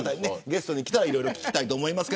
ゲストで来たらいろいろ聞きたいです。